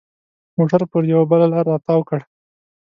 موټر پر یوه بله لاره را تاو کړ.